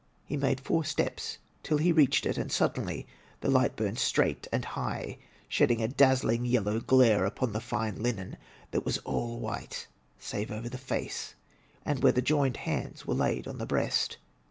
He made four steps till he reached it, and suddenly the light burned straight and high, shedding a dazzling yellow glare upon the fine linen that was all white, save over the face, and where the joined hands were laid on the breast.